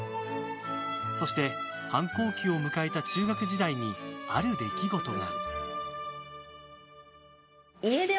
そして、反抗期を迎えた中学時代にある出来事が。